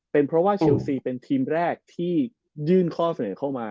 เป็นเพราะว่าเชลซีเป็นทีมแรกที่ยื่นข้อเสนอเข้ามา